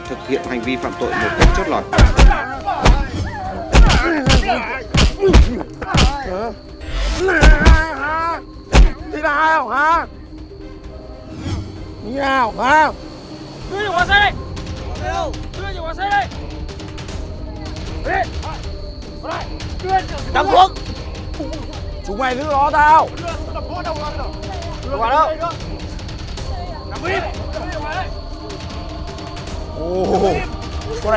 thực hiện hành vi phạm tội một cách chốt lọt